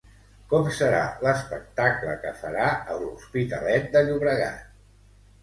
Com serà l'espectacle que farà a l'Hospitalet de Llobregat?